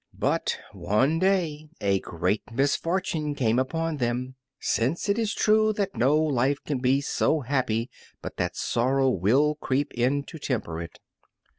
But one day a great misfortune came upon them, since it is true that no life can be so happy but that sorrow will creep in to temper it.